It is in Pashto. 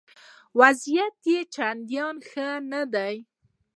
وضع یې چنداني ښه نه ده.